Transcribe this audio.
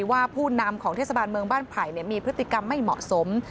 ว่าผู้นำของเทศบาลเมืองบ้านไผ่มีพฤติกรรมไม่เหมาะสม